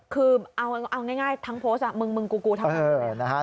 คือเอาง่ายทั้งโพสต์มึงกูทำอะไร